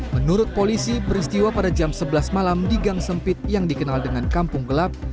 menurut polisi peristiwa pada jam sebelas malam di gang sempit yang dikenal dengan kampung gelap